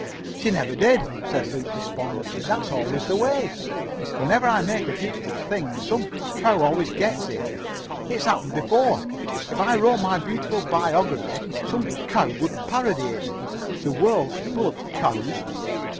"She never did," said Luke despondently. "That's always the way. Whenever I make a beautiful thing, some cow always gets it. It's happened before. If I wrote my beautiful biography, some cow would parody it. The world's full of cows."